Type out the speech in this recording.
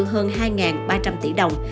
hơn hai ba trăm linh tỷ đồng